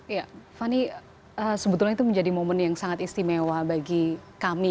ya fani sebetulnya itu menjadi momen yang sangat istimewa bagi kami